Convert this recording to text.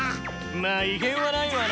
まぁ威厳はないわな。